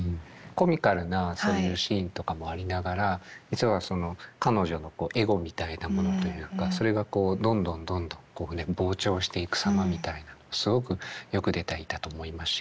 コミカルなそういうシーンとかもありながら実はその彼女のエゴみたいなものというかそれがこうどんどんどんどん膨張していく様みたいなのすごくよく出ていたと思いますし。